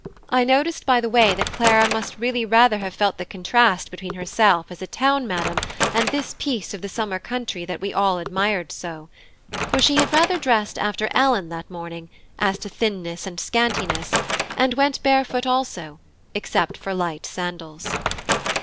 I noticed by the way that Clara must really rather have felt the contrast between herself as a town madam and this piece of the summer country that we all admired so, for she had rather dressed after Ellen that morning as to thinness and scantiness, and went barefoot also, except for light sandals.